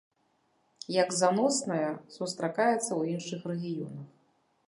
Як заносная, сустракаецца ў іншых рэгіёнах.